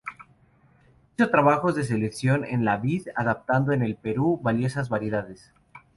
Hizo trabajos de selección en la vid, adaptando en el Perú valiosas variedades.